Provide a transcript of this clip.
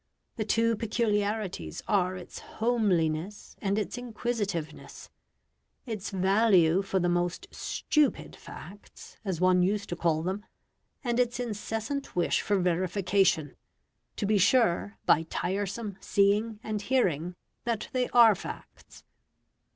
The two peculiarities are its homeliness and its inquisitiveness; its value for the most "stupid" facts, as one used to call them, and its incessant wish for verification to be sure, by tiresome seeing and hearing, that they are facts.